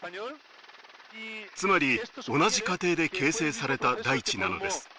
つまり同じ過程で形成された大地なのです。